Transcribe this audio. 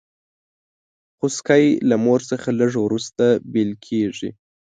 خوسکی له مور څخه لږ وروسته بېل کېږي.